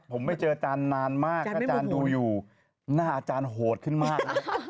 ผมไม่เจออาจารย์นานมากถ้าอาจารย์ดูอยู่หน้าอาจารย์โหดขึ้นมากนะ